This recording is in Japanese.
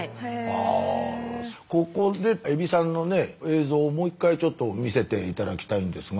ここでエビさんのね映像をもう一回ちょっと見せて頂きたいんですが。